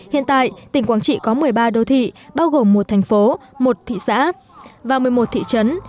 hiện tại tỉnh quảng trị có một mươi ba đô thị bao gồm một thành phố một thị xã và một mươi một thị trấn